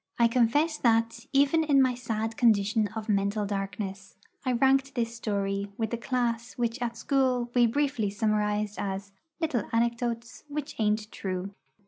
I confess that, even in my sad condition of mental darkness, I ranked this story with the class which at school we briefly summarised as 'little anecdotes which ain't true.'